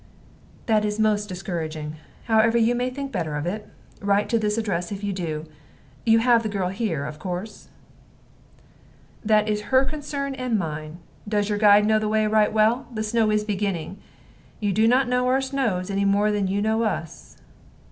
"That is most discouraging. However, you may think better of it. Write to this address if you do. You have the girl here, of course?" "That is her concern and mine. Does your guide know the way right well! The snow is beginning. You do not know our snows, any more than you know us."